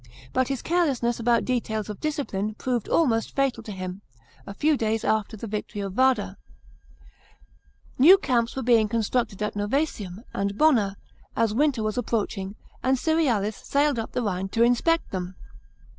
But his carelessness about details of discipline proved almost fatal to him a few days after the victory of Vada. New camps were being constructed at Novsesium 364 REBELLIONS IN GERMANY AND JUDEA. CHAP. xx. and Bonna, as winter was approaching, and Cerealis sailed up the Rhine to inspect them.